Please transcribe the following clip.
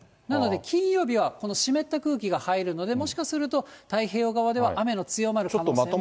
なので、金曜日はこの湿った空気が入るので、もしかすると太平洋側では雨の強まる可能性も。